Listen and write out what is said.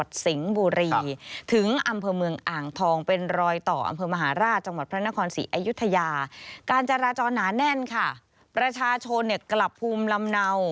ที่บริเวณอำเภอชายโยร้อยต้ออำเภอพรมบุรีจังหวัดสิงข์บุรี